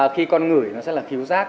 khi con ngửi nó sẽ là khiếu giác